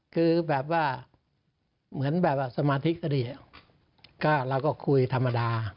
คือแบบว่าเหมือนแบบสมาธิกฤติ